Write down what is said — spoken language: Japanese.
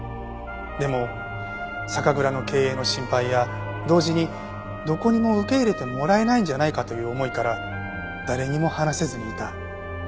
でも酒蔵の経営の心配や同時にどこにも受け入れてもらえないんじゃないかという思いから誰にも話せずにいた。